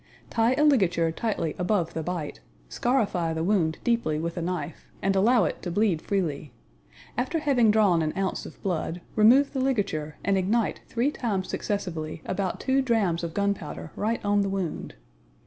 Tie a ligature tightly ABOVE the bite, scarify the wound deeply with a knife, and allow it to bleed freely. After having drawn an ounce of blood, remove the ligature and ignite three times successively about two drams of gunpowder right on the wound.